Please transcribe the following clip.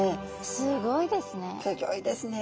すごいですね。